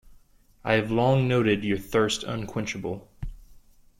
I have long noted your thirst unquenchable.